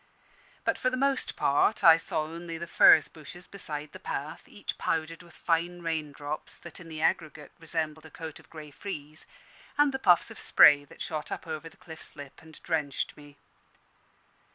But for the most part I saw only the furze bushes beside the path, each powdered with fine raindrops, that in the aggregate resembled a coat of grey frieze, and the puffs of spray that shot up over the cliff's lip and drenched me.